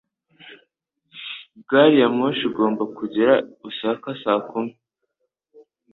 Gari ya moshi igomba kugera Osaka saa kumi.